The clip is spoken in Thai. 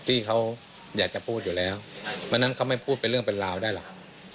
ที่เขาอยากจะพูดอยู่แล้วเพราะฉะนั้นเขาไม่พูดเป็นเรื่องเป็นราวได้หรอก